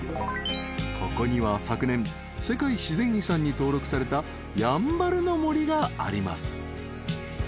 ［ここには昨年世界自然遺産に登録されたやんばるの森があります］